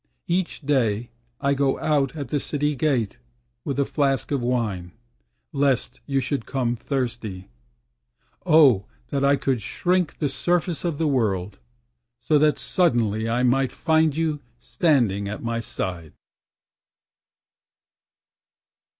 Each day I go out at the City Gate With a flask of wine, lest you should come thirsty. Oh that I could shrink the surface of the World, So that suddenly I might find you standing at my side.